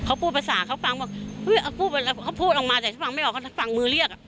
เขาพูดภาษาเขาฟังบอกเขาพูดออกมาแต่ถ้าฟังไม่ออกเขาฟังมือเรียกอ่ะ